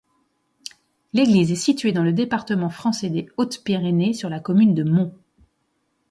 L'église est située dans le département français des Hautes-Pyrénées, sur la commune de Mont.